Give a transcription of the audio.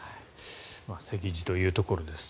席次というところ。